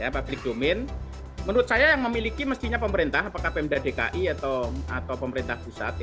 public domain menurut saya yang memiliki mestinya pemerintah apakah pemda dki atau pemerintah pusat